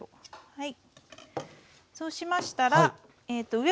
はい。